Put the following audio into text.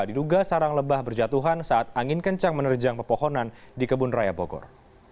diduga sarang lebah berjatuhan saat angin kencang menerjang pepohonan di kebun raya bogor